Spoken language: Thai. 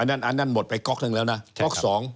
อันนั้นหมดไปก๊อกหนึ่งแล้วนะก๊อก๒